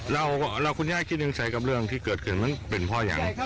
แล้วคุณย่างคิดในใจกับเรื่องที่เกิดขึ้นมันเป็นพ่ออย่าง